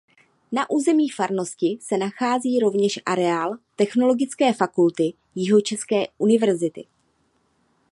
Na území farnosti se nachází rovněž areál Teologické fakulty Jihočeské univerzity.